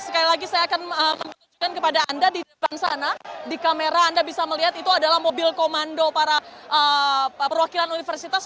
sekali lagi saya akan menunjukkan kepada anda di depan sana di kamera anda bisa melihat itu adalah mobil komando para perwakilan universitas